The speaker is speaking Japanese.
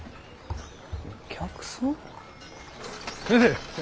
先生！